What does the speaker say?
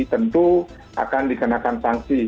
tentu akan dikenakan sanksi